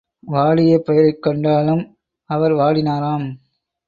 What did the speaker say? வாடிய பயிரைக் கண்டாலும் அவர் வாடினாராம்.